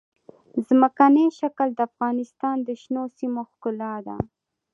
ځمکنی شکل د افغانستان د شنو سیمو ښکلا ده.